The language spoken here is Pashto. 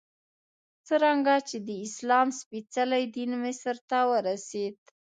څرنګه چې د اسلام سپېڅلی دین مصر ته ورسېد.